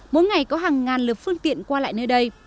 mỗi ngày có hàng ngàn lượt phương tiện qua lại nơi đây